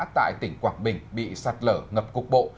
tại tỉnh quảng bình bị sạt lở ngập cục bộ